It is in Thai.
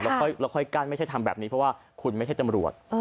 แล้วค่อยกั้นไม่ใช่ทำแบบนี้เพราะว่าคุณไม่ใช่ตำรวจ